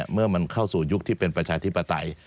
เมื่อมันเข้าสู่ยุคที่เป็นประชาธิปไตย